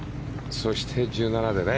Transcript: そして１７でね